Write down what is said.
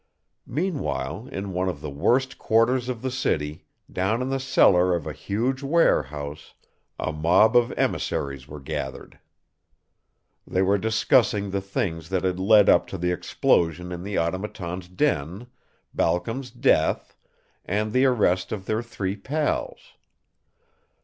Meanwhile, in one of the worst quarters of the city, down in the cellar of a huge warehouse, a mob of emissaries were gathered. They were discussing the things that had led up to the explosion in the Automaton's den, Balcom's death, and the arrest of their three pals.